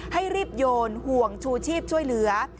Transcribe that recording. ให้รีบโยนห่วงชูชีพช่วยเหลือ